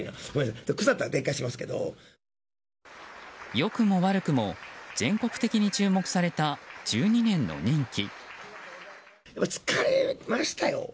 良くも悪くも全国的に注目された１２年の任期。